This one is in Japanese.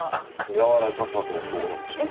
やわらかさ度はどうなんでしょう？